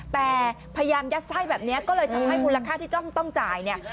แต่พยายามยัดไส้แบบนี้ก็เลยทำให้มูลค่าที่ต้องจ่ายเนี่ย